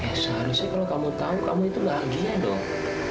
emang seharusnya kalau kamu tau kamu itu lagi ya dong